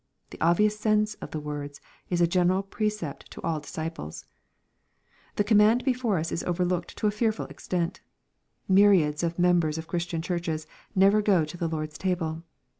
The obvious sense of the words is a general precept to all disciples. The command before us is overlooked to a fearful extent. Myriads of members of Christian churches never go to the Lord's table.